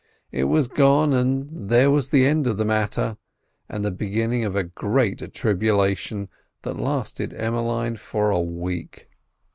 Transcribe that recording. It was gone, and there was the end of the matter, and the beginning of great tribulation, that lasted Emmeline for a week.